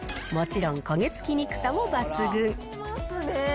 もちろん焦げ付きにくさも抜群。